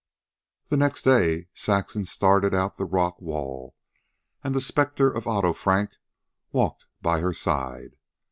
The next day Saxon started out the Rock Wall, and the specter of Otto Frank walked by her side.